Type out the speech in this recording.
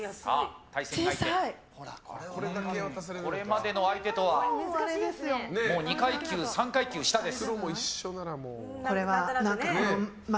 これまでの相手とはもう２階級、３階級下です。